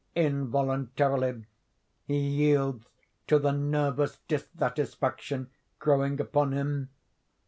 Involuntarily he yields to the nervous dissatisfaction growing upon him.